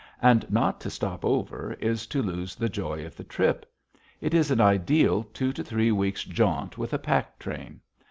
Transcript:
And not to stop over is to lose the joy of the trip. It is an ideal two to three weeks' jaunt with a pack train.